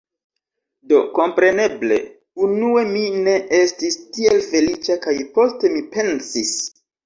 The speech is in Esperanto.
Do, kompreneble, unue mi ne estis tiel feliĉa kaj poste mi pensis: